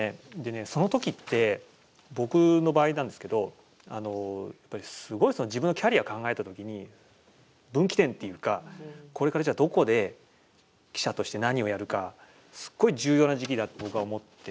そのときって僕の場合なんですけどやっぱりすごい自分のキャリアを考えたときに分岐点っていうかこれからじゃあどこで記者として何をやるかすごい重要な時期だと僕は思ってて。